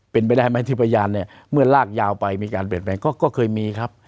เป็นไปได้ไหมที่พยานเนี่ยเมื่อลากยาวไปมีการเปลี่ยนแปลงก็เคยมีครับ